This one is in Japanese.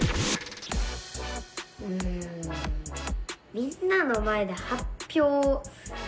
うんみんなの前ではっぴょうできるかなあ。